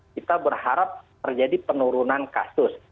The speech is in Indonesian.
kita berharap terjadi penurunan kasus